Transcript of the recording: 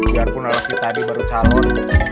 biarpun anaknya tadi baru calon